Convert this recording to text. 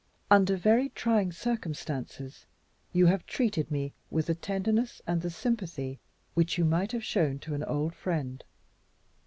"Under very trying circumstances, you have treated me with the tenderness and the sympathy which you might have shown to an old friend.